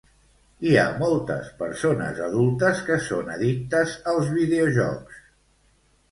Hi ha moltes persones adultes que són addictes als videojocs